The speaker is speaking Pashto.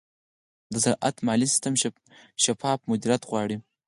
د زراعت مالي سیستم شفاف مدیریت غواړي.